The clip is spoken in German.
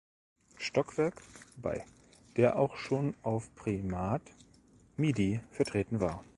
Stockwerk" bei, der auch schon auf "Primat Midi" vertreten war.